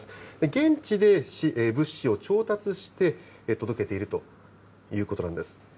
現地で物資を調達して届けているということなんです。